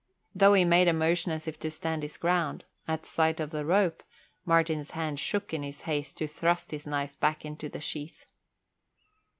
Though he made a motion as if to stand his ground, at sight of the rope Martin's hand shook in his haste to thrust his knife back into the sheath.